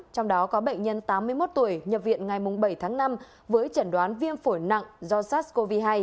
trong đó có bệnh nhân tám mươi một tuổi nhập viện ngày bảy tháng năm với chẩn đoán viêm phổi nặng do sars cov hai